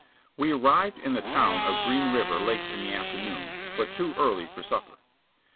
We arrived in the town of Green River late in the afternoon, but too early for supper.